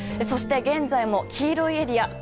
そして、現在も黄色いエリア